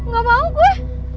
gak mau gue